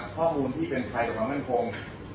ข้อมูลที่เป็นภัยกับความมั่นคง